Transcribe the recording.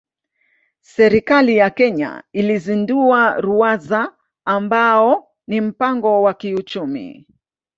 Serikali ya Kenya ilizindua Ruwaza ambao ni mpango wa kiuchumi